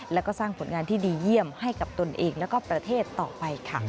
แล้วก็สร้างผลงานที่ดีเยี่ยมให้กับตนเองแล้วก็ประเทศต่อไปค่ะ